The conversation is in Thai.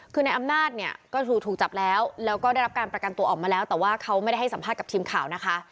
คือในอำนาจเนี่ยก็ถูกจับแล้วแล้วก็ได้รับการประกันตัวออกมาแล้วแต่ว่าเขาไม่ได้ให้สัมภาษณ์กับทีมข่าวนะคะ